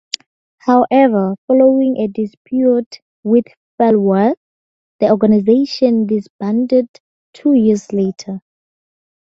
However, following a dispute with Falwell, the organization disbanded two years later.